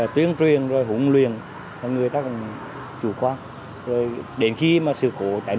tuyên truyền hỗn luyện là người ta cần chủ quan đến khi sự cổ cháy nổ xảy ra thì công sử được cân nhuận